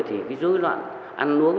thì cái dối loạn ăn uống